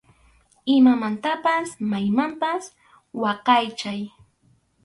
Imatapas maymanpas waqaychay.